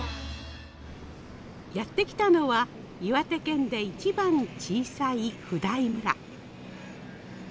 やって来たのは岩手県で一番小さい普代村。